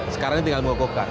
sekarang ini tinggal di golkar